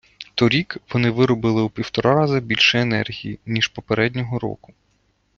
Торік вони виробили у півтора раза більше енергії, ніж попереднього року.